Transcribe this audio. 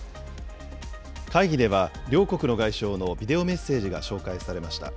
会議では、両国の外相のビデオメッセージが紹介されました。